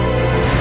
aku jadi apaankan